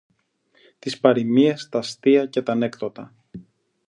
τις παροιμίες, τα αστεία και τα ανέκδοτα,